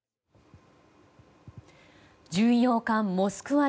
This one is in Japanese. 巡洋艦「モスクワ」